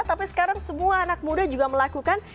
tapi sekarang semua anak muda juga melakukan